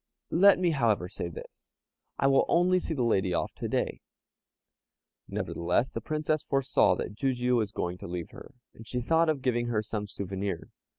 Let me, however, say this, I will only see the lady off to day." Nevertheless, the Princess foresaw that Jijiu was going to leave her, and she thought of giving her some souvenir.